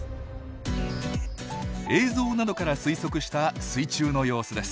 映像などから推測した水中の様子です。